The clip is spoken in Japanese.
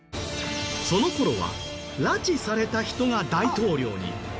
その頃は拉致された人が大統領に。